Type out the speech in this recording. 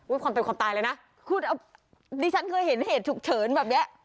ความเป็นความตายเลยนะคุณดิฉันเคยเห็นเหตุฉุกเฉินแบบเนี้ย